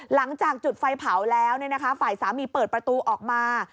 หลังจากจุดไฟเผาแล้วฝ่ายสามีเปิดประตูออกมา